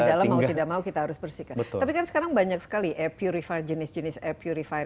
dalam mau tidak mau kita harus bersihkan tapi kan sekarang banyak sekali air purifier jenis jenis air purifier